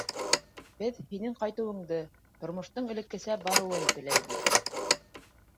Беҙ һинең ҡайтыуынды, тормоштоң элеккесә барыуын теләйбеҙ.